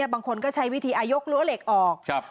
บางคนก็ใช้วิธียกรั้วเหล็กออก